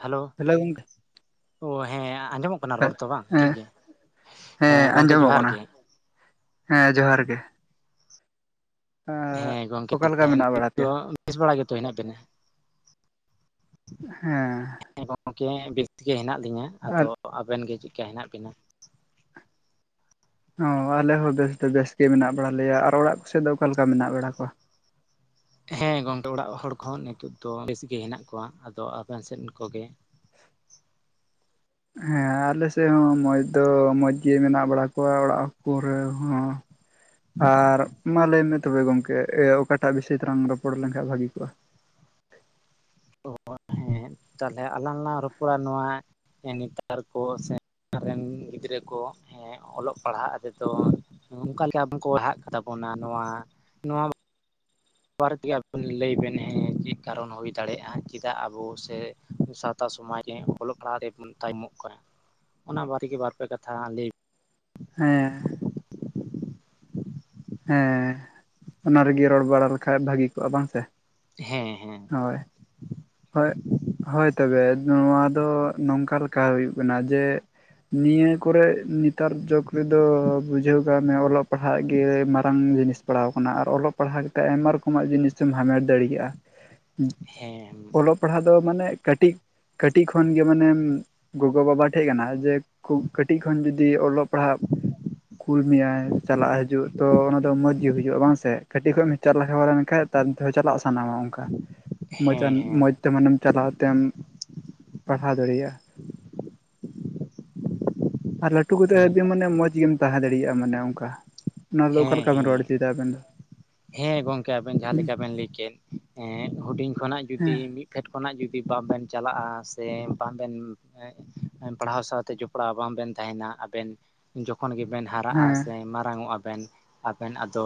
Hello hello ᱜᱚᱢᱠᱮ ᱚ ᱦᱮᱸ ᱟᱸᱡᱚᱢᱚᱜ ᱠᱟᱱᱟ ᱨᱚᱲ ᱛᱚ ᱵᱟᱝ ᱴᱷᱤᱠᱜᱮ ᱦᱮᱸ, ᱜᱚᱢᱠᱮ ᱟᱸᱡᱚᱢᱚᱜ ᱡᱚᱦᱟᱨ ᱠᱟᱱᱟ ᱜᱮ ᱦᱮᱸ ᱡᱚᱦᱟᱨ ᱜᱮ ᱦᱮᱸ ᱜᱚᱢᱠᱮ ᱚᱠᱟᱞᱮᱠᱟ ᱢᱮᱱᱟᱜ ᱱᱤᱛ ᱵᱟᱲᱟ ᱫᱚ ᱯᱮᱭᱟ ᱵᱮᱥ ᱵᱟᱲᱟ ᱜᱮᱛᱚ ᱦᱮᱱᱟᱜ ᱵᱤᱱᱟ ᱦᱮᱸ ᱦᱮᱸ ᱜᱚᱢᱠᱮ ᱵᱮᱥ ᱜᱮ ᱦᱮᱱᱟᱜ ᱞᱤᱧᱟᱹ ᱟᱫᱚ ᱟᱨ ᱟᱵᱮᱱ ᱜᱮ ᱪᱮᱫᱠᱟ ᱦᱮᱱᱟᱜ ᱵᱤᱱᱟ ᱦᱚᱸ ᱟᱞᱮ ᱦᱚᱸ ᱵᱮᱥ ᱫᱚ ᱵᱮᱥ ᱜᱮ ᱢᱮᱱᱟᱜ ᱵᱟᱲᱟ ᱞᱮᱭᱟ ᱟᱨ ᱚᱲᱟᱜ ᱠᱚᱥᱮᱫ ᱫᱚ ᱚᱠᱟᱞᱮᱠᱟ ᱢᱮᱱᱟᱜ ᱵᱟᱲᱟ ᱠᱚᱣᱟ ᱦᱮᱸ ᱜᱚᱢᱠᱮ ᱚᱲᱟᱜ ᱦᱚᱲ ᱠᱚᱦᱚᱸ ᱱᱤᱛᱚᱜ ᱫᱚ ᱵᱮᱥ ᱜᱮ ᱦᱮᱱᱟᱜ ᱠᱚᱣᱟ ᱟᱫᱚ ᱟᱵᱮᱱ ᱥᱮᱫ ᱠᱚᱜᱮ ᱦᱮᱸ ᱟᱞᱮ ᱥᱮᱫ ᱦᱚᱸ ᱢᱚᱡᱽ ᱫᱚ ᱢᱚᱡᱽ ᱜᱮ ᱢᱮᱱᱟᱜ ᱵᱟᱲᱟ ᱠᱚᱣᱟ ᱚᱲᱟᱜ ᱠᱚᱨᱮ ᱦᱚᱸ ᱟᱨ ᱢᱟ ᱞᱟᱹᱭ ᱢᱮ ᱛᱚᱵᱮ ᱜᱚᱝᱠᱮ ᱚᱠᱟᱴᱟᱜ ᱵᱤᱥᱚᱭ ᱛᱮᱞᱟᱟᱝ ᱨᱚᱯᱚᱲ ᱞᱮᱱᱠᱷᱟᱱ ᱵᱷᱟᱜᱮ ᱠᱚᱜᱼᱟ ᱚ ᱦᱮᱸ ᱛᱟᱦᱚᱞᱮ ᱟᱞᱟᱝ ᱞᱟᱝ ᱨᱚᱯᱚᱲᱟ ᱱᱚᱣᱟ ᱱᱮᱛᱟᱨ ᱠᱚ ᱥᱮ ᱨᱮᱱ ᱜᱤᱫᱽᱨᱟᱹ ᱠᱚ ᱦᱮᱸ ᱚᱞᱚᱜ ᱯᱟᱲᱦᱟᱜ ᱨᱮᱫᱚ ᱚᱱᱠᱟ ᱜᱮ ᱟᱵᱚ ᱠᱚ ᱞᱟᱦᱟᱜ ᱛᱟᱵᱚᱱᱟ᱾ ᱵᱟᱨ ᱯᱮᱭᱟ ᱞᱟᱹᱭ ᱵᱤᱱ ᱦᱮᱸ ᱪᱮᱫ ᱠᱟᱨᱚᱱ ᱦᱩᱭ ᱫᱟᱲᱮᱭᱟᱜᱼᱟ ᱪᱮᱫᱟᱜ ᱟᱵᱚ ᱥᱮ ᱥᱟᱼᱼ ᱥᱟᱶᱛᱟ ᱥᱚᱢᱟᱡᱽ ᱨᱮ ᱚᱞᱚᱜ ᱯᱟᱲᱦᱟᱜ ᱨᱮᱵᱚᱱ ᱛᱟᱭᱚᱢᱚᱜ ᱠᱟᱱᱟ ᱚᱱᱟ ᱵᱟᱨᱮ ᱜᱮ ᱵᱟᱨ ᱯᱮ ᱠᱟᱛᱷᱟ ᱞᱟᱹᱭ ᱦᱮᱸ ᱦᱮᱸ ᱚᱱᱟ ᱨᱮᱜᱮ ᱨᱚᱲ ᱵᱟᱲᱟ ᱞᱮᱠᱷᱟᱡ ᱵᱷᱟᱹᱜᱤ ᱠᱚᱜᱼᱟ ᱵᱟᱝ ᱥᱮ ᱦᱮᱸ ᱦᱮᱸ ᱦᱳᱭ ᱦᱳᱭ ᱦᱳᱭ ᱛᱚᱵᱮ ᱱᱚᱣᱟ ᱫᱚ ᱱᱚᱝᱠᱟ ᱞᱮᱠᱟ ᱦᱩᱭᱩᱜ ᱠᱟᱱᱟ ᱡᱮ ᱱᱤᱭᱟᱹ ᱠᱚᱨᱮᱜ ᱱᱮᱛᱟᱨ ᱡᱩᱜᱽ ᱨᱮᱫᱚ ᱵᱩᱡᱷᱟᱹᱣ ᱠᱟᱜ ᱢᱮ ᱚᱞᱚᱜ ᱯᱟᱲᱦᱟᱜ ᱜᱮ ᱢᱟᱨᱟᱝ ᱡᱤᱱᱤᱥ ᱯᱟᱲᱟᱣ ᱟᱠᱟᱱᱟ ᱟᱨ ᱚᱞᱚᱜ ᱯᱟᱲᱦᱟᱣ ᱠᱟᱛᱮᱜ ᱟᱭᱢᱟ ᱨᱚᱠᱚᱢᱟᱜ ᱡᱤᱱᱤ ᱥᱮᱢ ᱦᱟᱢᱮᱴ ᱫᱟᱲᱮᱭᱟᱜᱼᱟ ᱦᱩ ᱦᱮᱸ ᱚᱞᱚᱜ ᱯᱟᱲᱦᱟᱜ ᱫᱚ ᱢᱟᱱᱮ ᱠᱟᱹᱴᱤᱡ ᱠᱟᱹᱴᱤᱡ ᱠᱷᱚᱱ ᱜᱮ ᱢᱟᱱᱮ ᱜᱚᱜᱚ ᱵᱟᱵᱟ ᱴᱷᱮᱡ ᱠᱟᱱᱟ ᱡᱮ ᱠᱷᱩᱵ ᱠᱟᱹᱴᱤᱡ ᱠᱷᱚᱱ ᱡᱩᱫᱤ ᱚᱞᱚᱜ ᱯᱟᱲᱦᱟᱜ ᱠᱩᱞ ᱢᱮᱭᱟᱭ ᱪᱟᱞᱟᱜ ᱦᱤᱡᱩᱜ ᱛᱚ ᱚᱱᱟᱫᱚ ᱢᱚᱸᱡᱽ ᱜᱮ ᱦᱩᱭᱩᱜᱼᱟ ᱵᱟᱝ ᱥᱮ ᱠᱟᱹᱴᱤᱡ ᱠᱷᱚᱡ ᱮᱢ ᱪᱟᱞᱟ ᱞᱮᱱᱠᱷᱟᱱ ᱛᱟᱨ ᱪᱟᱞᱟᱜ ᱥᱟᱱᱟᱣᱟ ᱚᱱᱠᱟ ᱢᱚᱡᱽ ᱦᱮᱸ ᱦᱮᱸ ᱢᱚᱡᱽ ᱛᱮ ᱢᱟᱱᱮᱢ ᱪᱟᱞᱟᱣ ᱛᱮᱢ ᱯᱟᱲᱦᱟᱣ ᱫᱟᱲᱮᱭᱟᱜᱼᱟ ᱟᱨ ᱞᱟᱹᱴᱩ ᱦᱮᱸ ᱦᱮᱸ ᱠᱟᱛᱮ ᱢᱟᱱᱮ ᱢᱚᱸᱡᱽ ᱜᱮᱢ ᱛᱟᱦᱮᱸ ᱫᱟᱲᱮᱭᱟᱜᱼᱟ ᱢᱟᱱᱮ ᱚᱝᱠᱟ ᱚᱱᱟᱫᱚ ᱚᱠᱟ ᱦᱮᱸ ᱞᱮᱠᱟ ᱵᱮᱱ ᱦᱮᱸ ᱨᱚᱲ ᱚᱪᱚᱭᱮᱫᱟ ᱟᱵᱮᱱ ᱫᱚ ᱦᱮᱸ ᱜᱚᱝᱠᱮ ᱟᱵᱤᱱ ᱡᱟᱦᱟᱸ ᱦᱩᱸ ᱞᱮᱠᱟ ᱵᱤᱱ ᱞᱟᱹᱭ ᱠᱮᱫ ᱦᱮ ᱦᱩᱰᱤᱧ ᱠᱷᱚᱱᱟᱜ ᱦᱮᱸ ᱡᱩᱫᱤ ᱢᱤᱫ ᱯᱷᱮᱰ ᱠᱷᱚᱱᱟᱜ ᱡᱩᱫᱤ ᱵᱟᱝᱵᱮᱱ ᱪᱟᱞᱟᱜᱼᱟ ᱥᱮ ᱵᱟᱝᱵᱮᱱ ᱮᱸᱜ ᱯᱟᱲᱦᱟᱣ ᱥᱟᱶᱛᱮ ᱡᱚᱯᱲᱟᱣ ᱵᱟᱝ ᱵᱮᱱ ᱛᱟᱦᱮᱸᱱᱟ ᱟᱵᱮᱱᱼᱼ ᱡᱚᱠᱷᱚᱱ ᱜᱮᱵᱮᱱ ᱦᱟᱨᱟᱜ-ᱟ ᱦᱮᱸ ᱥᱮ ᱢᱟᱨᱟᱝᱚᱜ-ᱟ ᱵᱮᱱ ᱟᱵᱮᱱ ᱟᱫᱚᱼᱼ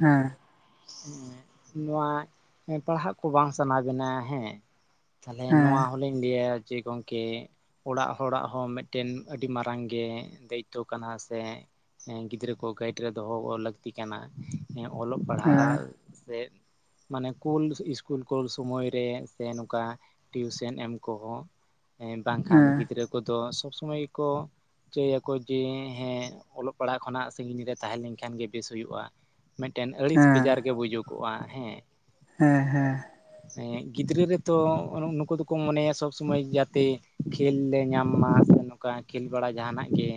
ᱦᱮᱸ᱾ ᱦᱮᱸ ᱱᱚᱶᱟ ᱮᱸ ᱯᱟᱲᱦᱟᱜ ᱠᱚ ᱵᱟᱝ ᱥᱟᱱᱟ ᱵᱮᱱᱟ ᱦᱮᱸ ᱛᱟᱦᱚᱞᱮ ᱦᱮᱸ ᱱᱚᱶᱟ ᱦᱚᱸ ᱞᱤᱧ ᱞᱟᱹᱭᱟ ᱡᱮ ᱜᱚᱝᱠᱮᱼᱼ ᱚᱲᱟᱜ ᱦᱚᱲᱟᱜ ᱦᱚᱸ ᱢᱮᱫᱴᱮᱱ ᱟᱹᱰᱤ ᱢᱟᱨᱟᱝ ᱜᱮ ᱫᱟᱹᱭᱤᱛᱛᱚ ᱠᱟᱱᱟ ᱥᱮᱼᱼ ᱦᱮᱸ ᱜᱤᱫᱽᱨᱟᱹ ᱠᱚ ᱜᱟᱭᱤᱰ ᱨᱮ ᱫᱚᱦᱚ ᱞᱟᱹᱠᱛᱤ ᱠᱟᱱᱟ ᱮᱸ ᱚᱞᱚᱜ ᱯᱟᱲᱦᱟᱜ ᱦᱮᱸ ᱨᱮ ᱢᱟᱱᱮ ᱠᱩᱞ ᱤᱥᱠᱩᱞ ᱠᱳᱞ ᱥᱚᱢᱚᱭ ᱨᱮ ᱥᱮ ᱱᱚᱝᱠᱟᱼᱼ ᱴᱤᱭᱩᱥᱮᱱ ᱮᱢ ᱠᱚᱦᱚᱸ ᱮᱸ ᱵᱟᱝᱠᱷᱟᱱ ᱦᱮᱸ ᱜᱤᱫᱽᱨᱟᱹ ᱠᱚᱫᱚ ᱥᱚᱵᱽ ᱥᱚᱢᱚᱭ ᱜᱮ ᱠᱚᱼᱼ ᱪᱟᱹᱭᱟ ᱠᱚ ᱡᱮ ᱦᱮᱸ ᱚᱞᱚᱜ ᱯᱟᱲᱦᱟᱜ ᱠᱷᱚᱱᱟᱜ ᱥᱟᱺᱜᱤᱧ ᱨᱮ ᱛᱟᱦᱮᱸ ᱞᱮᱱ ᱠᱷᱟᱱ ᱜᱮ ᱵᱮᱥ ᱦᱩᱭᱩᱜ-ᱟ᱾ ᱢᱮᱫᱴᱮᱱ ᱟᱹᱲᱤᱥ ᱵᱮᱜᱟᱨ ᱜᱮ ᱵᱩᱡᱩᱠᱚᱜ-ᱟ ᱦᱮᱸ᱾ ᱦᱮᱸ ᱦᱮᱸ᱾ ᱮᱸ ᱜᱤᱫᱽᱨᱟᱹ ᱨᱮᱛᱚ ᱱᱩᱠᱩ ᱫᱚᱠᱚ ᱢᱚᱱᱮᱭᱟ ᱥᱚᱵᱽ ᱥᱚᱢᱚᱭ ᱡᱟ ᱛᱮᱼᱼ ᱠᱷᱮᱞ ᱞᱮ ᱧᱟᱢ ᱢᱟ ᱥᱮ ᱱᱚᱸᱠᱟ ᱠᱷᱮᱞ ᱵᱟᱲᱟ ᱡᱟᱦᱟᱸ ᱱᱟᱜ ᱜᱮᱼᱼ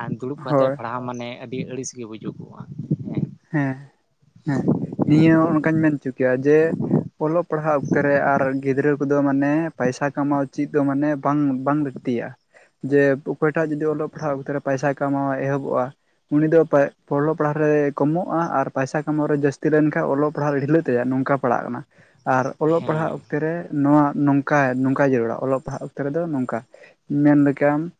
ᱟᱨ ᱫᱩᱲᱩᱵ ᱠᱟᱛᱮᱫ ᱦᱳᱭ ᱯᱟᱲᱦᱟᱣ ᱢᱟᱱᱮ ᱟᱹᱰᱤ ᱟᱹᱲᱤᱥ ᱜᱮ ᱵᱩᱡᱩᱠᱚᱜ-ᱟ᱾ ᱦᱮᱸ ᱦᱮᱸ ᱱᱤᱭᱟᱹ ᱚᱱᱠᱟᱧ ᱢᱮᱱ ᱪᱩ ᱠᱮᱭᱟ ᱡᱮᱼᱼ ᱚᱞᱚᱜ ᱯᱟᱲᱦᱟᱜ ᱚᱠᱛᱮ ᱨᱮ ᱟᱨ ᱜᱤᱫᱽᱨᱟᱹ ᱠᱚᱫᱚ ᱢᱟᱱᱮ ᱯᱟᱭᱥᱟ ᱠᱟᱢᱟᱣ ᱪᱤᱫᱽ ᱫᱚ ᱢᱟᱱᱮ ᱵᱟᱝ ᱵᱟᱝ ᱞᱟᱹᱠᱼᱼ ᱛᱤᱭᱟ ᱡᱮᱼᱼ ᱚᱠᱚᱭ ᱴᱟᱜ ᱡᱩᱫᱤ ᱚᱞᱚᱜ ᱯᱟᱲᱦᱟᱣ ᱚᱠᱛᱮ‌ ᱨᱮ ‌ ᱯᱟᱭᱥᱟᱭ ᱠᱟᱢᱟᱣᱮ ᱮᱦᱚᱵᱚᱜ-ᱟ ᱩᱱᱤ ᱫᱚ ᱯᱟᱭ ᱚᱞᱚᱜ ᱯᱟᱲᱦᱟᱣ ᱨᱮᱼᱼ ᱠᱚᱢᱚᱜᱼᱟ ᱟᱨ ᱯᱟᱭᱥᱟ ᱠᱟᱢᱟᱣ ᱨᱮ ᱡᱟᱹᱥᱛᱤ ᱞᱮᱱ ᱠᱷᱟᱡ ᱚᱞᱚᱜ ᱯᱟᱲᱦᱟᱜ ᱨᱮ ᱰᱷᱤᱞᱟᱹᱜ ᱛᱟᱭᱟ ᱱᱚᱝᱠᱟ ᱯᱟᱲᱟᱜ ᱠᱟᱱᱟ᱾ ᱟᱨ ᱚᱞᱚᱜ ᱯᱟᱲᱦᱟᱜ ᱦᱮᱸ ᱚᱠᱛᱮ ᱨᱮ ᱱᱚᱶᱟ ᱱᱚᱝᱠᱟ ᱱᱚᱝᱠᱟᱭ ᱡᱟᱹᱨᱩᱲᱟ ᱚᱞᱚᱜ ᱯᱟᱲᱦᱟᱜ ᱚᱠᱛᱮ ᱨᱮᱫᱚ ᱱᱚᱝᱠᱟ᱾ ᱢᱮᱱ ᱞᱮᱠᱟᱢᱼᱼ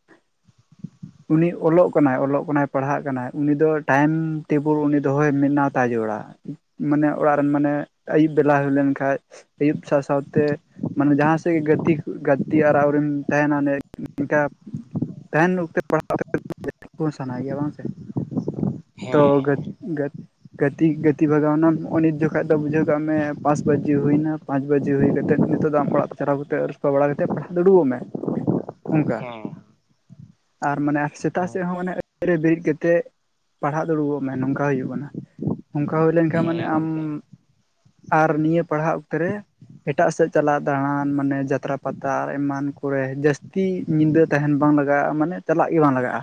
ᱩᱱᱤ ᱚᱞᱚᱜ ᱠᱟᱱᱟᱭ ᱚᱞᱚᱜ ᱠᱟᱱᱟᱭ ᱯᱟᱲᱦᱟᱜ ᱠᱟᱱᱟᱭ ᱩᱱᱤ ᱫᱚ ᱴᱟᱭᱤᱢ ᱴᱤᱵᱼᱼ ᱵᱩᱞ‌ ᱩᱱᱤ ᱫᱚᱦᱚᱭ ᱢᱮᱱᱟᱣ ᱛᱟᱭ ᱡᱟᱹᱨᱩᱲᱟ ᱢᱟᱱᱮ ᱚᱲᱟᱜ ᱨᱮᱱ ᱢᱟᱱᱮ ᱟᱹᱭᱩᱵ ᱵᱮᱞᱟ ᱦᱩᱭ ᱞᱮᱱ ᱠᱷᱟᱡᱼᱼ ᱟᱹᱭᱩᱵ ᱥᱟᱶ ᱥᱟᱶᱛᱮ ᱢᱟᱱᱮ ᱡᱟᱦᱟᱸ ᱥᱮᱫ ᱜᱮ ᱜᱟᱹᱛᱤᱠ ᱜᱟᱛᱤ ᱟᱨᱟᱣ [unintelligible] ᱛᱟᱦᱮᱱᱟ ᱱᱮ ᱱᱤᱝᱠᱟᱼᱼ ᱛᱟᱦᱮᱱ ᱚᱠᱛᱮ ᱯᱟ [inaudible] ᱥᱟᱱᱟᱭ ᱭᱟ ᱵᱟᱝ ᱥᱮ ᱛᱚ ᱜᱟᱹᱼᱼ ᱦᱮᱸ ᱜᱟᱹ ᱜᱟᱹᱛᱤ ᱵᱷᱟᱜᱟᱣ ᱱᱟᱢ ᱱᱚᱜ-ᱚ ᱱᱤᱛ ᱡᱚᱠᱷᱟ ᱫᱚ ᱵᱩᱡᱷᱟᱹᱣ ᱠᱟᱜ ᱢᱮ ᱯᱟᱸᱪ ᱵᱟᱡᱮ ᱦᱩᱭᱱᱟᱼᱼ ᱯᱟᱸᱪ ᱵᱟᱡᱮ ᱦᱩᱭ ᱠᱟᱛᱮᱫ ᱱᱤᱛᱚᱜ ᱫᱚ ᱟᱢ ᱚᱲᱟᱜ ᱛᱮ ᱪᱟᱞᱟᱣ ᱠᱟᱛᱮᱫ ᱟᱹᱨᱩᱵ ᱥᱟᱯᱷᱟ ᱵᱟᱲᱟ ᱠᱟᱛᱮᱫ ᱯᱟᱲᱦᱟᱣᱜ ᱫᱩᱲᱩᱵᱚᱜ ᱢᱮ᱾ [unintelligible] ᱚᱱᱠᱟ ᱟᱨ ᱢᱟᱱᱮ ᱥᱮᱛᱟᱜ ᱦᱮᱸ ᱥᱮᱫ ᱦᱚᱸ ᱚᱱᱮᱼᱼ ᱨᱮ ᱵᱮᱨᱮᱫ ᱠᱟᱛᱮᱫ ᱯᱟᱲᱦᱟᱜ ᱫᱩᱲᱩᱵᱚᱜ ᱢᱮ ᱱᱚᱝᱠᱟ ᱦᱩᱭᱩᱜ ᱠᱟᱱᱟ᱾ ᱚᱱᱠᱟ ᱦᱩᱭ ᱞᱮᱱ ᱠᱷᱟᱱ ᱢᱟᱱᱮ ᱦᱮᱸ ᱟᱢ ᱜᱚᱢᱠᱮ ᱟᱨ ᱱᱤᱭᱟᱹ ᱯᱟᱲᱦᱟᱜ ᱚᱠᱛᱮ ᱨᱮᱼᱼ ᱮᱴᱟᱜ ᱥᱮᱫ ᱪᱟᱞᱟᱜ ᱫᱟᱬᱟᱱ ᱢᱟᱱᱮ ᱡᱟᱛᱨᱟ ᱯᱟᱛᱟ ᱮᱢᱟᱱ ᱠᱚᱨᱮ ᱡᱟᱹᱥᱛᱤᱼᱼ ᱧᱤᱫᱟᱹ ᱛᱟᱦᱮᱸᱱ ᱵᱟᱝ ᱞᱟᱜᱟᱜ-ᱟ ᱢᱟᱱᱮ ᱪᱟᱞᱟᱜ ᱜᱮ ᱵᱟᱝ ᱞᱟᱜᱟᱜ-ᱟ᱾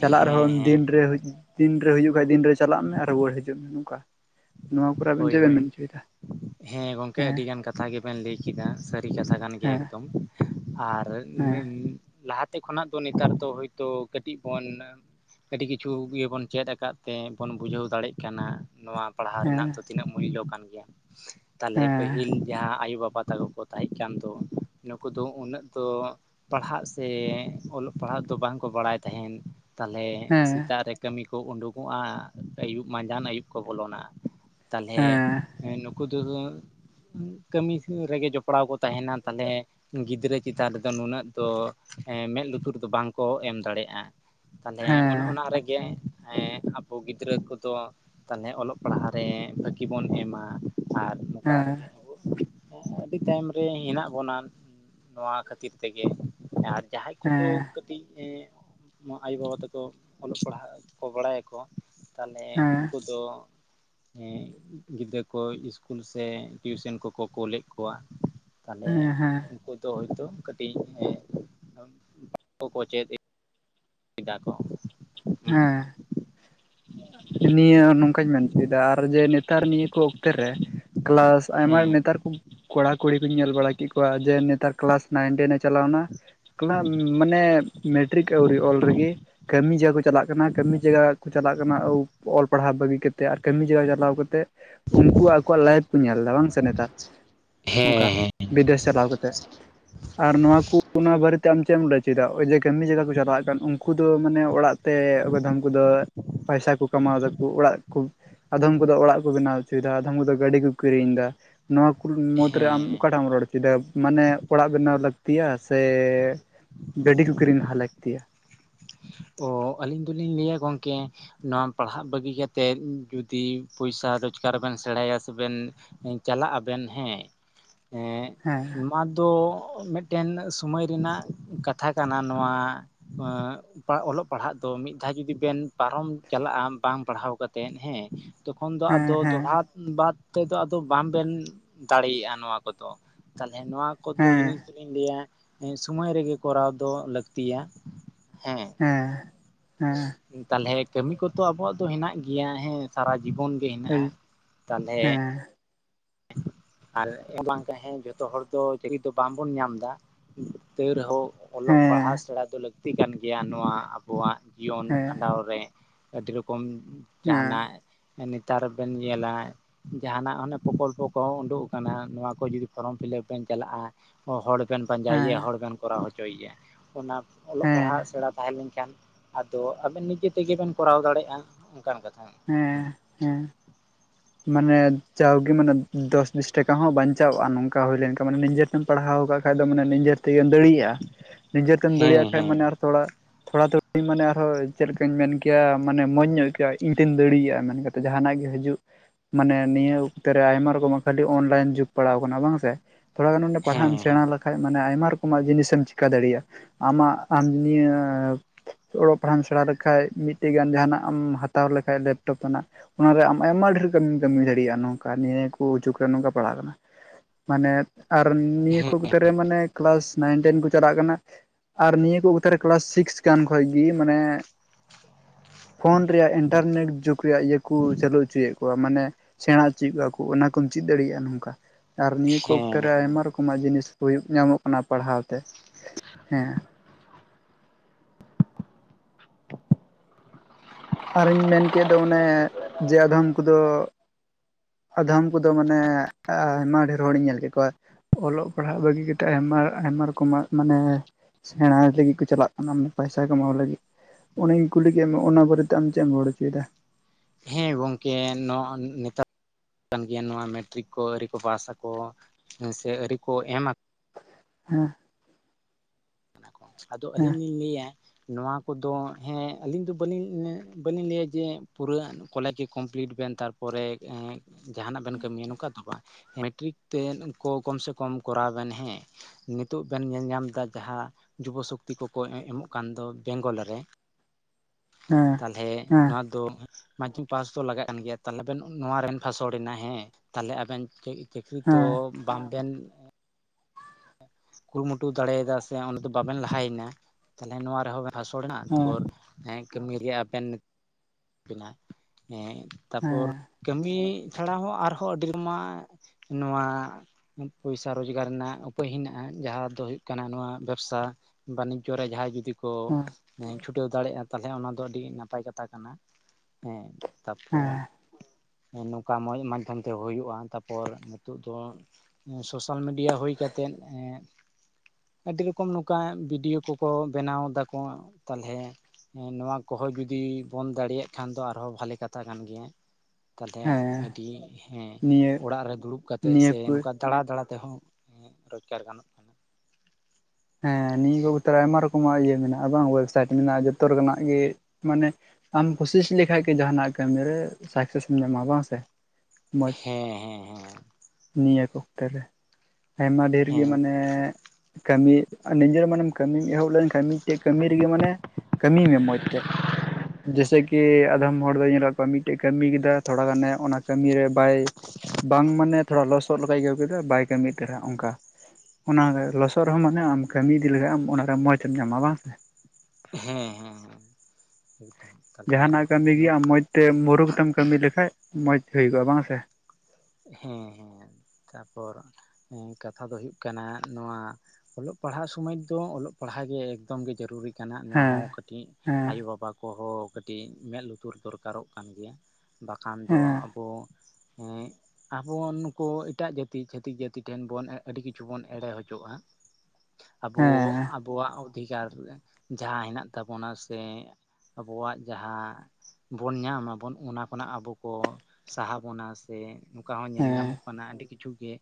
ᱪᱟᱞᱟᱜ ᱦᱮᱸ ᱨᱮᱦᱚᱸ ᱦᱮᱸ ᱫᱤᱱ ᱨᱮ ᱦᱮᱸ ᱦᱩᱭ ᱫᱤᱱ ᱨᱮ ᱦᱩᱭᱩᱜ ᱠᱷᱟᱡ‌ᱫᱤᱱ ᱨᱮ ᱪᱟᱞᱟᱜ ᱢᱮ ᱟᱨ ᱨᱩᱣᱟᱹᱲ ᱦᱤᱡᱩᱜ ᱢᱮ ᱱᱩᱝᱠᱟᱼᱼ ᱠᱚ ᱨᱮ ᱟᱵᱮᱱ ᱦᱳᱭ ᱪᱮᱜ ᱵᱮᱱ ᱦᱳᱭ ᱢᱮᱱ ᱪᱩᱭ ᱫᱟ? ᱦᱮᱸ ᱜᱚᱝᱠᱮ ᱟᱹᱰᱤ ᱜᱟᱱ ᱠᱟᱛᱷᱟ ᱜᱤᱵᱮᱱ ᱞᱟᱹᱭ ᱠᱤᱫᱟ ᱥᱟᱹᱨᱤ ᱠᱟᱛᱷᱟ ᱠᱟᱱ ᱜᱮᱭᱟ ᱦᱮᱸ ᱮᱠᱫᱚᱢ᱾ ᱟᱨ ᱦᱮᱸ ᱱᱤᱱ ᱞᱟᱦᱟ ᱛᱮ ᱠᱷᱚᱱᱟᱜ ᱫᱚ ᱱᱮᱛᱟᱨ ᱫᱚ ᱦᱳᱭᱛᱚ ᱠᱟᱹᱴᱤᱡ ᱵᱚᱱᱼᱼ ᱟᱹᱰᱤ ᱠᱤᱪᱷᱩ ᱤᱭᱟᱹ ᱵᱚᱱ ᱪᱮᱫ ᱟᱠᱟᱫ ᱛᱮ ᱵᱚᱱ ᱵᱩᱡᱷᱟᱹᱣ ᱫᱟᱲᱮᱜ ᱠᱟᱱᱟ ᱱᱚᱣᱟ ᱯᱟᱲᱦᱟᱣ ᱦᱮᱸ ᱨᱮᱱᱟᱜ ᱫᱚ ᱛᱤᱱᱟᱹᱜ ᱢᱩᱞᱞᱚ ᱠᱟᱱ ᱜᱮᱭᱟ ᱛᱟᱦᱚᱞᱮ ᱦᱮᱸ ᱯᱟᱹᱦᱤᱞ ᱡᱟᱦᱟᱸ ᱟᱭᱳᱼᱵᱟᱵᱟ ᱛᱟᱠᱚ ᱠᱚ ᱛᱟᱦᱮᱸ ᱠᱟᱱ ᱫᱚ ᱱᱩᱠᱩ ᱫᱚ ᱩᱱᱟᱹᱜ ᱛᱚ ᱯᱟᱲᱦᱟᱜ ᱥᱮ ᱚᱞᱚᱜ ᱯᱟᱲᱦᱟᱜ ᱫᱚ ᱵᱟᱝ ᱠᱚ ᱵᱟᱲᱟᱭ ᱛᱟᱦᱮᱸᱱ᱾ ᱛᱟᱦᱚᱞᱮ ᱦᱮᱸ ᱥᱤᱛᱟᱜ ᱨᱮ ᱠᱟᱹᱢᱤ ᱠᱚ ᱩᱰᱩᱝᱚᱜ-ᱟ ᱟᱹᱭᱩᱵ ᱢᱟᱸᱡᱟᱱ ᱟᱹᱭᱩᱵ ᱠᱚ ᱵᱚᱞᱚᱱᱟ᱾ ᱛᱟᱞᱦᱮ ᱦᱮᱸ ᱮᱸ ᱱᱩᱠᱩ ᱫᱩᱸ ᱫᱚᱼᱼ ᱩᱸ ᱠᱟᱹᱢᱤᱥ ᱨᱮᱜᱮ ᱡᱚᱯᱲᱟᱣ ᱠᱚ ᱛᱟᱦᱮᱱᱟ ᱛᱟᱞᱦᱮᱼᱼ ᱜᱤᱫᱽᱨᱟᱹ ᱪᱮᱛᱟᱱ ᱨᱮᱫᱚ ᱱᱩᱱᱟᱹᱜ ᱫᱚ ᱮᱸ ᱢᱮᱸᱫ ᱞᱩᱛᱩᱨ ᱫᱚ ᱵᱟᱝ ᱠᱚ ᱮᱢ ᱫᱟᱲᱮᱜ-ᱟ᱾ ᱦᱮᱸ ᱦᱮᱸ ᱛᱟᱞᱦᱮ ᱦᱮᱸ ᱚᱱᱮ ᱚᱱᱟ ᱨᱮᱜᱮᱼᱼ ᱦᱮᱸ ᱟᱵᱚ ᱜᱤᱫᱽᱨᱟᱹ ᱠᱚᱫᱚ ᱛᱟᱞᱦᱮ ᱚᱞᱚᱜ ᱯᱟᱲᱦᱟᱜ ᱨᱮᱼᱼ ᱵᱟᱹᱠᱤ ᱵᱚᱱ ᱮᱢᱟ ᱟᱨ ᱱᱚᱠᱟ ᱨᱮᱜᱮ ᱟᱹᱵᱩᱼᱼ [unintelligible] ᱟᱹᱰᱤ ᱛᱟᱭᱚᱢ ᱨᱮ ᱦᱮᱱᱟᱜ ᱵᱚᱱᱟ ᱱᱚᱣᱟ ᱠᱷᱟᱹᱛᱤᱨ ᱛᱮᱜᱮᱼᱼ ᱟᱨ ᱡᱟᱦᱟᱸᱭ ᱠᱚᱫᱚ ᱠᱟᱹᱜᱼᱼ ᱴᱤᱡ ᱟᱭᱳᱼᱵᱟᱵᱟ ᱛᱮᱠᱚ ᱚᱞᱚᱜ ᱯᱟᱲᱦᱟᱜ ᱠᱚ ᱵᱟᱲᱟᱭᱟᱠᱚ ᱛᱟᱞᱦᱮ ᱩᱱᱠᱩ ᱫᱚ ᱜᱤᱫᱽᱨᱟᱹ ᱠᱚ ᱤᱥᱠᱩᱞ ᱥᱮ ᱴᱤᱭᱩᱥᱮᱱ ᱠᱚᱠᱚ ᱠᱳᱞᱮᱫ ᱠᱚᱣᱟ ᱛᱟᱞᱦᱮ ᱦᱮᱸ ᱦᱮᱸ ᱦᱮᱸ ᱩᱱᱠᱩ ᱫᱚ ᱦᱳᱭᱛᱳ ᱠᱟᱹᱴᱤᱡ ᱠᱚ ᱪᱮᱫ ᱮᱫᱟ ᱠᱚ ᱦᱩᱸ ᱦᱮᱸ ᱱᱤᱭᱟᱹ ᱱᱚᱝᱠᱟᱧ ᱢᱮᱱ ᱦᱚᱪᱚᱭᱮᱫᱟ ᱟᱨ ᱡᱮ ᱱᱮᱛᱟᱨ ᱱᱤᱭᱟᱹ ᱠᱚ ᱚᱠᱛᱮ ᱨᱮ ᱠᱮᱞᱟᱥ ᱟᱭᱢᱟ ᱦᱮᱸ ᱱᱮᱛᱟᱨ ᱠᱚ ᱠᱚᱲᱟ ᱠᱩᱲᱤ ᱠᱚᱧ ᱧᱮᱞ ᱵᱟᱲᱟ ᱠᱮᱫ ᱠᱚᱣᱟ ᱡᱮ ᱱᱮᱛᱟᱨ ᱠᱞᱟᱥ ᱱᱟᱭᱤᱱ ᱴᱮᱱ ᱮ ᱪᱟᱞᱟᱣᱱᱟ ᱠᱟᱱᱟ ᱢᱟᱱᱮ ᱢᱮᱴᱨᱤᱠ ᱟᱹᱣᱨᱤ ᱚᱞ ᱨᱮᱜᱮ ᱠᱟᱹᱢᱤ ᱡᱟ ᱠᱚ ᱪᱟᱞᱟᱜ ᱠᱟᱱᱟ ᱠᱟᱹᱢᱤ ᱡᱟᱭᱜᱟ ᱠᱚ ᱪᱟᱞᱟᱜ ᱠᱟᱱᱟ ᱚᱞ ᱯᱟᱲᱦᱟᱣ ᱵᱟᱹᱜᱤ ᱠᱟᱛᱮᱫ ᱟᱨ ᱠᱟᱹᱢᱤ ᱡᱟᱭᱜᱟ ᱪᱟᱞᱟᱣ ᱠᱟᱛᱮᱮᱫ ᱩᱱᱠᱩ ᱟᱠᱚᱣᱟᱜ ᱞᱟᱭᱤᱯᱷ ᱠᱚ ᱧᱮᱞ ᱮᱫᱟ ᱵᱟᱝ ᱥᱮ ᱱᱮᱛᱟᱨ ᱱᱚᱝᱠᱟ ᱦᱮᱸ ᱦᱮᱸ ᱵᱤᱫᱮᱥ ᱪᱟᱞᱟᱣ ᱠᱟᱛᱮᱫ [inaudible] ᱟᱨ ᱱᱚᱣᱟ ᱠᱚ ᱚᱱᱟ ᱵᱟᱨᱮ ᱛᱮ ᱟᱢ ᱪᱮᱫ ᱮᱢ ᱞᱟᱹᱭ ᱚᱪᱚᱭᱮᱫᱟ ᱱᱚᱜᱼᱚᱭ ᱡᱮ ᱠᱟᱹᱢᱤ ᱡᱟᱭᱜᱟ ᱠᱚ ᱪᱟᱞᱟᱜ ᱠᱟᱱ ᱩᱱᱠᱩ ᱫᱚ ᱢᱟᱱᱮ ᱚᱲᱟᱜ ᱛᱮ ᱚᱠᱚᱭᱫᱚᱢ ᱠᱚᱫᱚ ᱯᱟᱭᱥᱟ ᱠᱚ ᱠᱟᱢᱟᱣ ᱫᱟᱠᱚ ᱚᱲᱟᱜ ᱠᱚ ᱟᱫᱷᱚᱢ ᱠᱚᱫᱚ ᱚᱲᱟᱜ ᱠᱚ ᱵᱮᱱᱟᱣ ᱦᱚᱪᱚᱭᱮᱫᱟ ᱟᱫᱷᱚᱢ ᱠᱚᱫᱚ ᱜᱟᱹᱰᱤ ᱠᱚ ᱠᱤᱨᱤᱧ ᱮᱫᱟ ᱱᱚᱣᱟ ᱠᱚ ᱢᱩᱫᱽᱨᱮ ᱟᱢ ᱦᱮᱸ ᱚᱠᱟᱴᱟᱜ ᱮᱢ ᱨᱚᱲ ᱦᱚᱪᱚᱭᱫᱟ ᱢᱟᱱᱮ ᱚᱲᱟᱜ ᱵᱮᱱᱟᱣ ᱞᱟᱹᱠᱛᱤᱭᱟ ᱥᱮ ᱜᱟᱹᱰᱤ ᱠᱚ ᱠᱤᱨᱤᱧ ᱞᱟᱦᱟ ᱞᱟᱹᱠᱛᱤᱭᱟ ᱚ ᱟᱹᱞᱤᱧ ᱫᱚᱞᱤᱧ ᱞᱟᱹᱭᱟ ᱜᱚᱢᱠᱮ ᱱᱚᱣᱟ ᱯᱟᱲᱦᱟᱜ ᱵᱟᱹᱜᱤ ᱠᱟᱛᱮᱫ ᱡᱩᱫᱤ ᱯᱚᱭᱥᱟ ᱨᱳᱡᱽᱠᱟᱨ ᱵᱮᱱ ᱥᱮᱬᱟᱭᱟ ᱥᱮᱵᱮᱱ ᱪᱟᱞᱟᱜ ᱟᱵᱮᱱ ᱦᱮᱸ ᱚᱸ ᱦᱮᱸ ᱱᱚᱣᱟ ᱫᱚ ᱢᱤᱫ ᱢᱤᱫᱴᱮᱱ ᱥᱳᱢᱚᱭ ᱨᱮᱱᱟᱜ ᱠᱟᱛᱷᱟ ᱠᱟᱱᱟ ᱱᱚᱣᱟ ᱚᱞᱚᱜ ᱯᱟᱲᱦᱟᱜ ᱫᱚ ᱢᱤᱫ ᱫᱷᱟᱣ ᱡᱩᱫᱤ ᱵᱮᱱ ᱯᱟᱨᱚᱢ ᱪᱟᱞᱟᱜᱼᱟ ᱵᱟᱝ ᱯᱟᱲᱦᱟᱣ ᱠᱟᱛᱮᱫ ᱦᱮᱸ ᱛᱚᱠᱷᱚᱱ ᱫᱚ ᱦᱮᱸ ᱟᱫᱚ ᱦᱮᱸ ᱫᱚᱦᱲᱟ ᱵᱟᱫ ᱛᱮ ᱫᱚ ᱟᱫᱚ ᱵᱟᱝ ᱵᱮᱱ ᱫᱟᱲᱮᱭᱟᱜᱼᱟ ᱱᱚᱣᱟ ᱠᱚᱫᱚ ᱛᱟᱦᱚᱞᱮ ᱱᱚᱣᱟ ᱠᱚᱫᱚ ᱦᱮᱸ ᱡᱤᱱᱤᱥ ᱫᱚ ᱞᱤᱧ ᱞᱟᱹᱭᱟ ᱥᱳᱢᱟᱹᱭ ᱨᱮ ᱜᱮ ᱠᱚᱨᱟᱣ ᱫᱚ ᱞᱟᱹᱠᱛᱤᱭᱟ ᱦᱮᱸ ᱦᱮᱸ ᱦᱮᱸ ᱛᱟᱞᱦᱮ ᱠᱟᱹᱢᱤ ᱠᱚ ᱛᱚ ᱟᱵᱚᱣᱟᱜ ᱫᱚ ᱦᱮᱱᱟᱜ ᱜᱮᱭᱟ ᱦᱮᱸ ᱥᱟᱨᱟ ᱡᱤᱵᱚᱱ ᱜᱮ ᱦᱮᱱᱟᱜᱼᱟ ᱛᱟᱞᱦᱮ ᱟᱨ ᱵᱟᱝ ᱛᱟᱦᱮᱸᱫ ᱡᱚᱛᱚ ᱦᱚᱲ ᱫᱚ ᱪᱟᱹᱠᱨᱤ ᱫᱚ ᱵᱟᱝᱵᱚᱱ ᱧᱟᱢ ᱮᱫᱟ ᱛᱟᱹᱭ ᱨᱮᱦᱚᱸ ᱚᱞᱚᱜ ᱯᱟᱲᱦᱟᱣ ᱥᱮᱬᱟ ᱫᱚ ᱞᱟᱹᱠᱛᱤ ᱠᱟᱱ ᱜᱮᱭᱟ ᱱᱚᱣᱟ ᱟᱵᱚᱣᱟᱜ ᱡᱤᱭᱚᱱ ᱠᱷᱟᱸᱰᱟᱣ ᱨᱮ ᱟᱹᱰᱤ ᱨᱚᱠᱚᱢ ᱡᱟᱦᱟᱱᱟᱜ ᱱᱮᱛᱟᱨ ᱵᱮᱱ ᱧᱮᱞᱟ ᱡᱟᱦᱟᱱᱟᱜ ᱚᱱᱮ ᱯᱨᱚᱠᱚᱞᱯᱚ ᱠᱚ ᱳᱸᱰᱚᱜ ᱟᱠᱟᱱᱟ ᱱᱚᱣᱟ ᱠᱚ ᱡᱩᱫᱤ ᱯᱷᱚᱨᱚᱢ ᱯᱷᱤᱞᱟᱯ ᱮᱢ ᱪᱟᱞᱟᱜᱼᱟ ᱦᱚᱲ ᱵᱮᱱ ᱦᱮᱸ ᱯᱟᱸᱡᱟᱭᱮᱭᱟ ᱦᱚᱲ ᱵᱮᱱ ᱠᱚᱨᱟᱣ ᱦᱚᱪᱚᱭᱮᱭᱟ ᱚᱱᱟ ᱦᱮᱸ ᱚᱞᱚᱜ ᱦᱮᱸ ᱯᱟᱲᱦᱟᱜ ᱥᱮᱬᱟ ᱛᱟᱦᱮᱸ ᱞᱮᱱᱠᱷᱟᱱ ᱟᱫᱚ ᱟᱵᱮᱱ ᱱᱤᱡᱮ ᱛᱮᱜᱮ ᱵᱮᱱ ᱠᱚᱨᱟᱣ ᱫᱟᱲᱮᱭᱟᱜᱼᱟ ᱚᱱᱠᱟᱱ ᱠᱟᱛᱷᱟ ᱦᱮᱸ ᱦᱮᱸ ᱢᱟᱱᱮ ᱡᱟᱣᱜᱮ ᱢᱟᱱᱮ ᱫᱚᱥ ᱵᱤᱥ ᱴᱟᱠᱟ ᱦᱚᱸ ᱵᱟᱧᱪᱟᱣᱚᱜᱼᱟ ᱱᱚᱝᱠᱟ ᱦᱩᱭ ᱞᱮᱱᱠᱷᱟᱱ ᱢᱟᱱᱮ ᱱᱤᱡᱮᱨ ᱮᱢ ᱯᱟᱲᱦᱟᱣ ᱠᱷᱟᱡ ᱫᱚ ᱢᱟᱱᱮ ᱱᱤᱡᱮᱨ ᱛᱮᱜᱮᱢ ᱫᱟᱲᱮᱭᱟᱜᱼᱟ [inaudible] ᱱᱤᱡᱮ ᱛᱮᱢ ᱦᱮᱸ ᱫᱟᱲᱮᱭᱟᱜ ᱠᱷᱟᱱ ᱦᱮᱸ ᱢᱟᱱᱮ ᱟᱨ ᱛᱷᱚᱲᱟ ᱛᱷᱚᱲᱟ ᱛᱷᱚᱲᱤ ᱢᱟᱱᱮ ᱟᱨᱦᱚᱸ ᱪᱮᱫ ᱞᱮᱠᱟᱧ ᱢᱮᱱ ᱠᱮᱭᱟ ᱢᱟᱱᱮ ᱢᱚᱸᱡᱽ ᱧᱚᱜ ᱟᱹᱭᱠᱮᱼᱟ ᱤᱧ ᱛᱤᱧ ᱫᱟᱲᱮᱭᱟᱜᱼᱟ ᱢᱟᱱᱮ ᱠᱟᱛᱮ ᱡᱟᱦᱟᱸᱱᱟᱜ ᱜᱮ ᱦᱤᱡᱩᱜ ᱢᱟᱱᱮ ᱱᱤᱭᱟᱹ ᱚᱠᱛᱮ ᱨᱮ ᱟᱭᱢᱟ ᱨᱚᱠᱚᱢᱟᱜ ᱠᱷᱟᱹᱞᱤ ᱚᱱᱞᱟᱭᱤᱱ ᱡᱩᱜᱽ ᱯᱟᱲᱟᱣ ᱟᱠᱟᱱᱟ ᱵᱟᱝᱥᱮ ᱛᱷᱚᱲᱟᱜᱟᱱ ᱯᱟᱲᱦᱟᱜ ᱦᱮᱸ ᱮᱢ ᱥᱮᱲᱟ ᱦᱮᱸ ᱞᱮᱠᱷᱟᱱ ᱠᱷᱟᱱ ᱢᱟᱱᱮ ᱟᱭᱢᱟ ᱨᱚᱠᱚᱢᱟᱜ ᱡᱤᱱᱤᱥ ᱮᱢ ᱪᱤᱠᱟ ᱫᱟᱲᱮᱭᱟᱜᱼᱟ ᱟᱢᱟᱜ ᱟᱢ ᱱᱤᱭᱟᱹ ᱚᱞᱚᱜ ᱯᱟᱲᱦᱟᱜ ᱮᱢ ᱥᱮᱬᱟ ᱞᱮᱠᱷᱟᱡ ᱢᱤᱫᱴᱮᱡ ᱜᱟᱱ ᱡᱟᱦᱟᱸᱱᱟᱜ ᱮᱢ ᱦᱟᱛᱟᱣ ᱞᱮᱠᱷᱟᱡ ᱞᱮᱯᱴᱚᱯ ᱛᱟᱱᱟᱜ ᱚᱱᱟᱨᱮᱢ ᱟᱭᱢᱟ ᱰᱷᱮᱨ ᱠᱟᱹᱢᱤᱢ ᱠᱟᱹᱢᱤ ᱫᱟᱲᱮᱭᱟᱜᱼᱟ ᱱᱚᱝᱠᱟ ᱱᱤᱭᱟᱹ ᱠᱚ ᱚᱡᱩᱜᱽ ᱨᱮ ᱱᱚᱝᱠᱟ ᱯᱟᱲᱦᱟᱜ ᱠᱟᱱᱟ ᱢᱟᱱᱮ ᱟᱨ ᱱᱤᱭᱟᱹ ᱠᱷᱚᱛ ᱨᱮ ᱢᱟᱱᱮ ᱠᱮᱞᱟᱥ ᱱᱟᱭᱤᱱ ᱴᱮᱱ ᱠᱚ ᱪᱟᱞᱟᱜ ᱠᱟᱱᱟ ᱟᱨ ᱱᱤᱭᱟᱹ ᱠᱚ ᱚᱠᱛᱟᱨᱮ ᱠᱮᱞᱟᱥ ᱥᱤᱠᱥ ᱠᱟᱱᱟ ᱠᱷᱚᱱ ᱜᱮ ᱢᱟᱱᱮ ᱯᱷᱳᱱ ᱨᱮᱭᱟᱜ ᱤᱱᱴᱟᱨᱱᱮᱴ ᱡᱩᱜᱽ ᱨᱮᱭᱟᱜ ᱤᱭᱟᱹᱠᱚ ᱪᱟᱹᱞᱩ ᱦᱚᱪᱚᱭᱮᱫ ᱥᱮᱲᱟ ᱦᱚᱪᱚᱭᱮᱫ ᱠᱚᱣᱟ ᱠᱚ ᱚᱱᱟ ᱠᱚᱢ ᱪᱮᱫ ᱫᱟᱲᱮᱭᱟᱜᱼᱟ ᱱᱚᱝᱠᱟ ᱟᱨ ᱱᱤᱭᱟᱹ ᱠᱚ ᱚᱠᱛᱮ ᱦᱮᱸ ᱨᱮ ᱦᱮᱸ ᱟᱭᱢᱟᱚᱢ ᱚᱱᱟ ᱡᱤᱱᱤᱥ ᱦᱩᱭᱩᱜ ᱧᱟᱢᱚᱜ ᱠᱟᱱᱟ ᱯᱟᱲᱦᱟᱣ ᱛᱮ ᱦᱮᱸ ᱟᱨᱤᱧ ᱢᱮᱱ ᱠᱮᱫ ᱫᱚ ᱚᱱᱮ ᱦ [unintelligible] ᱡᱮ ᱟᱫᱚᱢ ᱠᱚᱫᱚ ᱟᱫᱚᱢ ᱠᱚᱫᱚ ᱢᱟᱱᱮ ᱟᱭᱢᱟ ᱰᱷᱮᱨ ᱦᱚᱲᱤᱧ ᱧᱮᱞ ᱠᱮᱠ ᱠᱚᱣᱟ ᱚᱞᱚᱜ ᱯᱟᱲᱦᱟᱜ ᱵᱟᱹᱜᱤ ᱠᱟᱛᱮᱫ ᱟᱭᱢᱟ ᱟᱭᱢᱟ ᱨᱚᱠᱚᱢᱟᱜ ᱢᱟᱱᱮ ᱥᱮᱬᱟᱭ ᱞᱟᱹᱜᱤᱫ ᱠᱚ ᱪᱟᱞᱟᱜ ᱠᱟᱱᱟ ᱯᱟᱭᱥᱟ ᱠᱚᱟᱢᱟᱣ ᱞᱟᱹᱜᱤᱫ ᱚᱱᱟᱧ ᱠᱩᱞᱤ ᱠᱮᱫ ᱢᱮ ᱚᱱᱟ ᱵᱟᱨᱮᱛᱮ ᱟᱢ ᱪᱮᱫ ᱮᱢ ᱨᱚᱲ ᱦᱚᱪᱚᱭᱮᱫᱟ ᱦᱮᱸ ᱜᱚᱝᱠᱮ ᱱᱚᱣᱟ ᱱᱮᱛᱟᱨ ᱠᱟᱱ ᱜᱮᱭᱟ ᱱᱚᱣᱟ ᱢᱮᱴᱨᱤᱠ ᱠᱚ ᱟᱹᱣᱨᱤ ᱠᱚ ᱯᱟᱥ ᱟᱠᱚ ᱥᱮ ᱟᱹᱨᱤ ᱠᱚ ᱮᱢ ᱟᱠᱚ ᱦᱮᱸ ᱟᱫᱚ ᱦᱮᱸ ᱟᱹᱞᱤᱧ ᱞᱤᱧ ᱞᱟᱹᱭᱟ ᱱᱚᱣᱟ ᱠᱚᱫᱚ ᱦᱮᱸ ᱟᱹᱞᱤᱧ ᱫᱚ ᱵᱟᱹᱞᱤᱧ ᱵᱟᱹᱞᱤᱧ ᱞᱟᱹᱭᱟ ᱡᱮ ᱯᱩᱨᱟᱹ ᱠᱚᱞᱮᱡᱽ ᱜᱮ ᱠᱚᱢᱯᱞᱤᱴ ᱵᱮᱱ ᱛᱟᱨ ᱯᱚᱨᱮ ᱡᱟᱦᱟᱸᱱᱟᱜ ᱵᱮᱱ ᱠᱟᱹᱢᱤᱭᱟ ᱱᱚᱝᱠᱟ ᱫᱚ ᱵᱟᱝ ᱢᱮᱴᱨᱤᱠ ᱛᱮᱫ ᱠᱚ ᱠᱚᱢ ᱥᱮ ᱠᱚᱢ ᱠᱚᱨᱟᱣ ᱵᱮᱱ ᱦᱮᱸ ᱱᱤᱛᱚᱜ ᱵᱮᱱ ᱧᱮᱞ ᱧᱟᱢ ᱮᱫᱟ ᱡᱟᱦᱟᱸ ᱡᱩᱵᱚ ᱥᱚᱠᱛᱤ ᱠᱚ ᱠᱚ ᱮᱢᱚᱜ ᱠᱟᱱ ᱫᱚ ᱵᱮᱝᱜᱚᱞ ᱨᱮ ᱦᱮᱸ ᱛᱟᱦᱞᱮ ᱦᱮᱸ ᱦᱮᱸ ᱱᱚᱣᱟ ᱫᱚ ᱯᱟᱸᱪᱤ ᱯᱟᱥ ᱫᱚ ᱞᱟᱜᱟᱜ ᱠᱟᱱ ᱜᱮᱭᱟ ᱛᱟᱦᱚᱞᱮ ᱵᱮᱱ ᱱᱚᱣᱟᱱ ᱯᱷᱟᱥᱚᱲᱮᱱᱟ ᱦᱮᱸ ᱛᱟᱦᱚᱞᱮ ᱟᱵᱮᱱ ᱪᱟᱹᱠᱨᱤ ᱛᱚ ᱦᱮᱸ ᱵᱟᱝ ᱵᱮᱱ ᱠᱩᱨᱩᱢᱩᱴᱩ ᱫᱟᱲᱮᱭᱟᱫᱟ ᱥᱮ ᱚᱱᱟ ᱫᱚ ᱵᱟᱵᱮᱱ ᱞᱟᱦᱟᱭᱮᱱᱟ ᱛᱟᱦᱞᱮ ᱱᱚᱣᱟ ᱨᱮ ᱦᱚᱸ ᱵᱮᱱ ᱯᱷᱟᱥᱚᱞᱮ ᱮᱱᱟ ᱛᱟᱯᱚᱨ ᱠᱟᱹᱢᱤ ᱨᱮᱭᱟᱜ ᱟᱵᱮᱱ ᱦᱮ ᱛᱟᱯᱚᱨ ᱠᱟᱹᱢᱤ ᱪᱷᱟᱲᱟ ᱦᱚᱸ ᱟᱨᱦᱚᱸ ᱟᱹᱰᱤ ᱨᱮᱢᱟ ᱱᱚᱣᱟ ᱯᱚᱭᱥᱟ ᱨᱳᱡᱽᱜᱟᱨ ᱨᱮᱱᱟᱜ ᱩᱯᱟᱹᱭ ᱦᱮᱱᱟᱜᱼᱟ ᱡᱟᱦᱟᱸ ᱫᱚ ᱦᱩᱭᱩᱜ ᱠᱟᱱᱟ ᱱᱚᱣᱟ ᱵᱮᱵᱽᱥᱟ ᱵᱟᱱᱤᱡᱽᱡᱚ ᱨᱮ ᱡᱟᱦᱟᱸᱭ ᱡᱩᱫᱤ ᱠᱚ ᱦᱮᱸ ᱪᱷᱩᱴᱟᱹᱣ ᱫᱟᱲᱮᱭᱟᱜᱼᱟ ᱛᱟᱦᱚᱞᱮ ᱚᱱᱟ ᱫᱚ ᱟᱹᱰᱤ ᱱᱟᱯᱟᱭ ᱠᱟᱛᱷᱟ ᱠᱟᱱᱟ ᱦᱮᱸ ᱛᱟᱯᱚᱨ ᱦᱮᱸ ᱱᱚᱝᱠᱟ ᱢᱚᱸᱡᱽ ᱢᱟᱫᱽᱫᱷᱚᱢ ᱛᱮ ᱦᱩᱭᱩᱜᱼᱟ ᱛᱟᱯᱚᱨ ᱱᱤᱛᱳᱜ ᱫᱚ ᱥᱳᱥᱟᱞ ᱢᱤᱰᱤᱭᱟ ᱦᱩᱭ ᱠᱟᱛᱮᱜ ᱟᱹᱰᱤ ᱨᱚᱠᱚᱢ ᱱᱚᱝᱠᱟ ᱵᱷᱤᱰᱭᱳ ᱠᱚ ᱠᱚ ᱵᱮᱱᱟᱣ ᱫᱟᱠᱚ ᱛᱟᱦᱚᱞᱮ ᱦᱮᱸ ᱱᱚᱣᱟ ᱠᱚ ᱦᱚᱸ ᱡᱩᱫᱤ ᱵᱚᱱ ᱫᱟᱲᱮᱭᱟᱜ ᱠᱷᱟᱱ ᱫᱚ ᱟᱨ ᱦᱚᱸ ᱵᱷᱟᱞᱮ ᱠᱟᱛᱷᱟ ᱠᱟᱱ ᱜᱮᱭᱟ ᱛᱟᱦᱚᱞᱮ ᱦᱮᱸ ᱦᱮᱸ ᱟᱹᱰᱤ ᱦᱮᱸ ᱱᱤᱭᱟᱹ ᱚᱲᱟᱜ ᱨᱮ ᱫᱩᱲᱩᱵ ᱠᱟᱛᱮᱫ ᱱᱤᱭᱟᱹ ᱥᱮ ᱠᱚ ᱱᱚᱝᱠᱟ ᱫᱟᱬᱟ ᱫᱟᱬᱟ ᱛᱮ ᱦᱚᱸ ᱨᱚᱡᱽᱜᱟᱨ ᱜᱟᱱᱚᱜ ᱠᱟᱱᱟ ᱦᱮᱸ ᱱᱤᱭᱟᱹ ᱠᱚᱵ ᱛᱚᱨ ᱟᱭᱢᱟ ᱨᱚᱠᱚᱢᱟᱜ ᱤᱭᱟᱹ ᱢᱮᱱᱟᱜᱼᱟ ᱵᱟᱝ ᱳᱭᱮᱵᱽᱥᱟᱭᱤᱴ ᱢᱮᱱᱟᱜᱼᱟ ᱡᱚᱛᱚᱱᱟᱜ ᱜᱮ ᱢᱟᱱᱮ ᱟᱢ ᱠᱥᱤᱥ ᱞᱮᱠᱷᱟᱡ ᱜᱮ ᱡᱟᱦᱟᱸᱱᱟᱜ ᱠᱟᱹᱢᱤ ᱨᱮ ᱥᱟᱠᱥᱮᱥᱮ ᱮᱢ ᱧᱟᱢᱟ ᱵᱟᱝ ᱥᱮ ᱢᱚᱡᱽ ᱦᱮᱸ ᱦᱮᱸ ᱦᱮᱸ ᱱᱤᱭᱟᱹ ᱠᱚ ᱚᱠᱛᱮ ᱨᱮ ᱟᱭᱢᱟ ᱰᱷᱮᱨ ᱜᱮ ᱦᱮᱸ ᱢᱟᱱᱮ ᱠᱟᱹᱢᱤ ᱟ ᱱᱤᱡᱮᱨ ᱢᱟᱱᱮᱢ ᱠᱟᱹᱢᱤ ᱮᱦᱚᱵ ᱞᱮᱱ ᱠᱷᱟᱱ ᱪᱮᱫ ᱠᱟᱹᱢᱤ ᱨᱮᱜᱮ ᱢᱟᱱᱮ ᱠᱟᱹᱢᱤ ᱢᱮ ᱢᱚᱡᱽ ᱛᱮ ᱡᱮᱥᱮ ᱠᱤ ᱟᱫᱷᱚᱢ ᱢᱚᱴ ᱵᱟᱭ ᱧᱮᱞᱚᱜᱼᱟ ᱠᱟ. ᱢᱤ ᱴᱮ ᱠᱟᱹᱢᱤ ᱠᱮᱫᱟ ᱛᱷᱚᱲᱟ ᱜᱟᱱᱮ ᱚᱱᱟ ᱠᱟᱹᱢᱤᱨᱮ ᱵᱟᱭ ᱵᱟᱝ ᱢᱟᱱᱮ ᱛᱷᱚᱲᱟ ᱞᱚᱥᱚᱫ ᱞᱮᱠᱟᱭ ᱟᱹᱭᱠᱟᱣ ᱠᱮᱫᱟ ᱵᱟᱭ ᱠᱟᱹᱢᱤ ᱮᱫ ᱛᱟᱦᱮᱸᱫ ᱚᱱᱠᱟ ᱚᱱᱟ ᱞᱚᱥᱚᱫ ᱨᱮᱦᱚᱸ ᱢᱟᱱᱮ ᱟᱢ ᱠᱟᱹᱢᱤ ᱤᱫᱤ ᱞᱮᱠᱷᱟᱱ ᱚᱱᱟᱨᱮ ᱢᱚᱸᱡᱽ ᱮᱢ ᱧᱟᱢᱟ ᱵᱟᱝ ᱦᱮᱸ ᱦᱮᱸᱸ ᱮᱠᱫᱚᱢ ᱛᱟᱦᱚᱞᱮ ᱡᱟᱦᱟᱱᱟᱜ ᱠᱟᱹᱢᱤ ᱜᱮ ᱟᱢ ᱢᱚᱸᱡᱽ ᱛᱮ ᱢᱩᱨᱩᱠ ᱛᱮᱢ ᱠᱟᱹᱢᱤ ᱞᱮᱠᱷᱟᱱ ᱢᱚᱡᱽ ᱦᱩᱭᱩᱜᱼᱟ ᱵᱟᱝ ᱥᱮ ᱦᱮᱸ ᱦᱮᱸ ᱛᱟᱯᱚᱨᱮ ᱠᱟᱛᱷᱟ ᱫᱚ ᱦᱩᱭᱩᱜ ᱠᱟᱱᱟ ᱱᱚᱣᱟ ᱚᱞᱚᱜ ᱯᱟᱲᱦᱟᱜ ᱥᱚᱢᱚᱭ ᱫᱚ ᱚᱞᱚᱜ ᱯᱟᱲᱦᱟᱜ ᱜᱮ ᱮᱠᱫᱚᱢ ᱜᱮ ᱡᱟᱹᱨᱩᱨᱤ ᱠᱟᱱᱟ ᱱᱚᱣᱟ ᱦᱮᱸ ᱦᱚᱸ ᱠᱟᱹᱴᱤᱡ ᱦᱮᱸ ᱟᱭᱳᱼᱵᱟᱵᱟ ᱠᱚᱦᱚᱸ ᱠᱟᱹᱴᱤᱡ ᱢᱮᱫ ᱞᱩᱛᱩᱨ ᱫᱚᱨᱠᱟᱨᱚᱜ ᱠᱟᱱ ᱜᱮᱭᱟ ᱵᱟᱠᱷᱟᱱ ᱫᱚ ᱦᱮᱸ ᱟᱵᱚ ᱟᱵᱚ ᱱᱩᱠᱩ ᱮᱴᱟᱜ ᱡᱟᱹᱛᱤ ᱪᱷᱟᱹᱛᱤᱠ ᱡᱟᱹᱛᱤ ᱴᱷᱮᱱ ᱵᱚᱱ ᱟᱹᱰᱤ ᱠᱤᱪᱷᱩ ᱵᱚᱱ ᱮᱲᱮ ᱦᱚᱪᱚᱜᱼᱟ ᱟᱵᱚ ᱦᱮᱸ ᱟᱵᱚᱣᱟᱜ ᱛᱷᱤᱠᱟᱨ ᱡᱟᱦᱟᱸ ᱦᱮᱱᱟᱜ ᱛᱟᱵᱚᱱᱟ ᱥᱮ ᱟᱵᱚᱣᱟᱜ ᱡᱟᱦᱟᱸ ᱵᱚᱱ ᱧᱟᱢ ᱟᱵᱚᱱ ᱚᱱᱟ ᱠᱷᱚᱱᱟᱜ ᱟᱵᱚ ᱠᱚ ᱥᱟᱦᱟ ᱵᱚᱱᱟ ᱥᱮ ᱱᱚᱝᱠᱟ ᱦᱚᱸ ᱧᱮᱞ ᱦᱮᱸ ᱧᱟᱢᱚᱜ ᱠᱟᱱᱟ ᱯᱟᱱᱟ ᱟᱹᱰᱤ ᱠᱤᱪᱷᱩ ᱜᱮ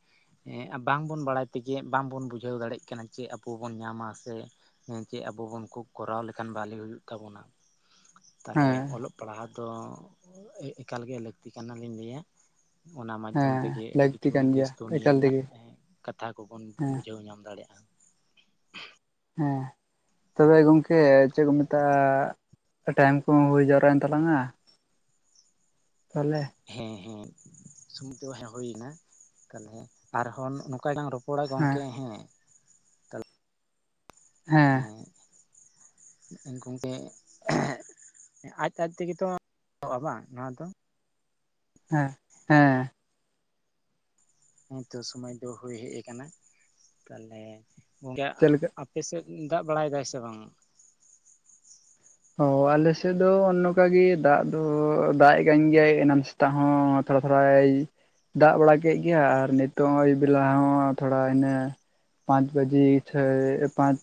ᱦᱮᱸ ᱵᱟᱝᱵᱚᱱ ᱵᱟᱲᱟᱭ ᱛᱮᱜᱮ ᱵᱟᱝᱵᱚᱱ ᱵᱩᱡᱷᱟᱹᱣ ᱫᱟᱲᱮᱭᱟᱜ ᱠᱟᱱᱟ ᱪᱮ ᱟᱵᱚ ᱵᱚᱱ ᱧᱟᱢᱟ ᱥᱮ ᱦᱮᱸ ᱪᱮᱫ ᱟᱵᱚ ᱵᱚᱱ ᱠᱚ ᱠᱚᱨᱟᱣ ᱞᱮᱠᱷᱟᱱ ᱵᱷᱟᱞᱤ ᱦᱩᱭᱩᱜ ᱛᱟᱵᱚᱱᱟ ᱛᱟᱦᱚᱞᱮ ᱦᱮᱸ ᱚᱞᱚᱜ ᱯᱟᱲᱦᱟᱣ ᱫᱚ ᱮᱠᱟᱞᱜᱮ ᱞᱟᱹᱠᱛᱤ ᱠᱟᱱᱟᱞᱤᱧ ᱞᱟᱹᱭᱟ ᱚᱱᱟ ᱢᱟᱫᱽᱫᱷᱚᱢ ᱦᱮᱸ ᱛᱮᱜᱮ ᱟᱹᱰᱤ ᱞᱟᱹᱠᱛᱤ ᱠᱤᱪᱷᱩ ᱠᱟᱱ ᱫᱮᱥ ᱜᱮᱭᱟ ᱫᱩᱱᱤᱭᱟᱹ ᱮᱠᱟᱞ ᱱᱟᱜ ᱛᱮᱜᱮ ᱠᱟᱛᱷᱟ ᱠᱚᱵᱚᱱ ᱦᱮᱸ ᱵᱩᱡᱷᱟᱹᱣ ᱧᱟᱢ ᱫᱟᱲᱮᱭᱟᱜᱼᱟ ᱦᱮᱸ ᱛᱚᱵᱮ ᱜᱚᱢᱠᱮ ᱪᱮᱫ ᱠᱚ ᱢᱮᱛᱟᱜᱼᱟ ᱴᱟᱭᱤᱢ ᱠᱚ ᱦᱩᱭ ᱡᱟᱣᱨᱟᱭᱮᱱ ᱛᱟᱞᱟᱝᱟ ᱛᱚᱞᱮ ᱦᱮᱸ ᱦᱮᱸ ᱥᱚᱢᱚᱭ ᱛᱚ ᱦᱮᱸ ᱦᱩᱭᱮᱱᱟ ᱛᱟᱦᱞᱮ ᱟᱨᱦᱚᱸ ᱱᱚᱝᱠᱟ ᱜᱮᱞᱟᱝ ᱨᱚᱯ ᱼᱼ ᱯᱚᱲᱟ ᱜᱚᱢᱠᱮ ᱦᱮᱸ ᱦᱮᱸ ᱦᱮᱸ ᱜᱚᱢᱠᱮ ᱟᱡᱼᱟᱡ ᱛᱮᱜᱮᱛᱚ ᱯᱚᱼᱟ ᱵᱟᱝ ᱱᱚᱣᱟ ᱫᱚ ᱦᱮᱸ ᱦᱮᱸ ᱦᱮᱸ ᱛᱚ ᱥᱩᱢᱚᱭ ᱫᱚ ᱦᱩᱭ ᱦᱮᱡ ᱟᱠᱟᱱᱟ ᱛᱟᱦᱚᱞᱮ ᱜᱚᱝᱠᱮ ᱪᱮᱫ ᱞᱮᱠᱟ ᱯᱮ ᱥᱮᱫ ᱫᱟᱜ ᱵᱟᱲᱟᱭᱮᱫ ᱟᱭ ᱥᱮ ᱵᱟᱝ ᱦᱚᱭ ᱟᱞᱮ ᱥᱮᱫ ᱫᱚ ᱱᱚᱝᱠᱟ ᱜᱮ ᱫᱟᱜ ᱫᱚ ᱫᱟᱜ ᱮᱜ ᱠᱟᱱ ᱜᱮᱭᱟᱭ ᱮᱱᱟᱝ ᱛᱚ ᱦᱚᱸ ᱛᱷᱚᱲᱟ ᱛᱷᱚᱲᱟᱭ ᱫᱟᱜ ᱵᱟᱲᱟ ᱠᱮᱫ ᱜᱮᱭᱟ ᱟᱨ ᱱᱤᱛᱚᱜ ᱟᱹᱭᱩᱵ ᱵᱮᱞᱟ ᱦᱚᱸ ᱛᱷᱚᱲᱟ ᱤᱱᱟᱹ ᱯᱟᱸᱪ ᱵᱟᱡᱮ ᱪᱷᱮ ᱯᱟᱸᱪ